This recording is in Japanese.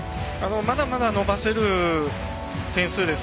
まだまだ伸ばせる点数です。